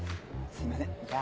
すいません